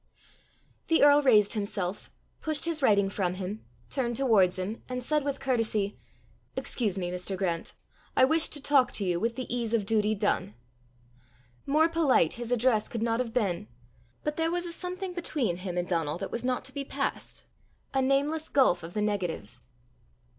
The earl raised himself, pushed his writing from him, turned towards him, and said with courtesy, "Excuse me, Mr. Grant; I wished to talk to you with the ease of duty done." More polite his address could not have been, but there was a something between him and Donal that was not to be passed a nameless gulf of the negative.